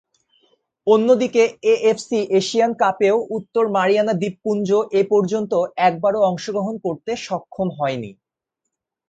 অন্যদিকে, AFC Asian কাপেও উত্তর মারিয়ানা দ্বীপপুঞ্জ এপর্যন্ত একবারও অংশগ্রহণ করতে সক্ষম হয়নি।